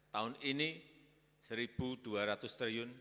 tahun ini rp satu dua ratus triliun